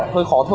hơi khó thở